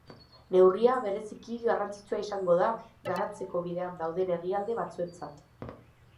Neurria bereziki garrantzitsua izango da garatzeko bidean dauden herrialde batzuentzat.